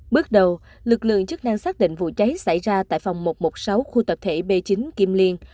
bước đầu lực lượng chức năng xác định vụ cháy xảy ra tại phòng một trăm một mươi sáu khu tập thể b chín kim liên